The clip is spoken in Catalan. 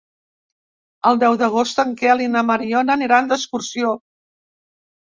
El deu d'agost en Quel i na Mariona aniran d'excursió.